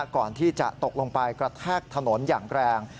ก่อนที่จะตกลงไปกระแทกถนนอย่างแรง